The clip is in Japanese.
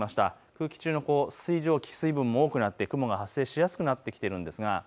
空気中の水蒸気、水分も多くなってきて雲が発生しやすくなってきています。